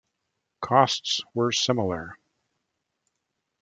Costs were similar.